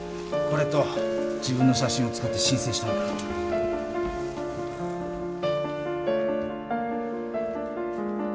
これと自分の写真を使って申請したんだろう。